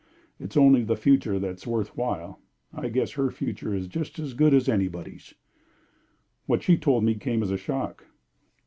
It's only the future that's worth while. I guess her future is just as good as anybody's." "What she told me came as a shock."